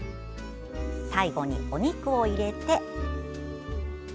最後にお肉を入れて。